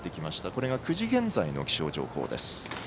これが９時現在の気象情報です。